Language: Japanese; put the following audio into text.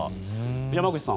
山口さん